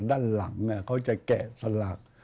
ด้านหลังเขาจะแกะสลัก